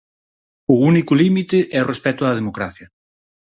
O único límite é o respecto á democracia.